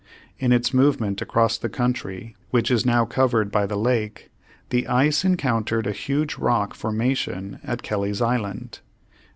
In its movement across the country which is now covered by the lake the ice encountered a huge rock formation at Kelly's Island.